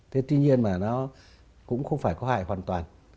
thế tuy nhiên mà nó cũng không phải có hại hoàn toàn